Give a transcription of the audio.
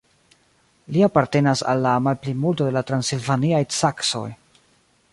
Li apartenas al la malplimulto de la transilvaniaj saksoj.